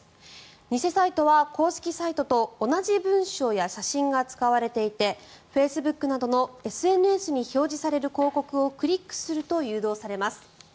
偽サイトは公式サイトと同じ文章や写真が使われていてフェイスブックなどのＳＮＳに表示される広告をクリックすると誘導されます。